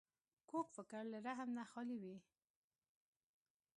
کوږ فکر له رحم نه خالي وي